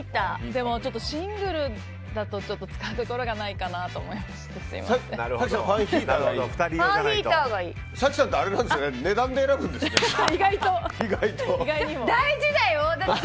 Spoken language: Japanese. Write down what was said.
でもちょっとシングルだと使うところがないかなと思いまして。